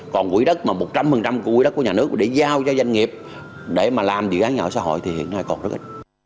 còn quỹ đất mà một trăm linh của quỹ đất của nhà nước để giao cho doanh nghiệp để mà làm dự án nhà ở xã hội thì hiện nay còn rất ít